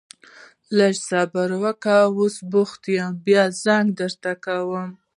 ته لږ صبر وکړه، اوس بوخت يم بيا زنګ درته کوم.